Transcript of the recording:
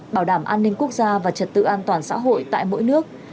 bảo đảm an ninh quốc gia và trật tự an toàn xã hội tại mỗi nước